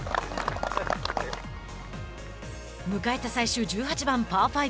迎えた最終１８番パー５。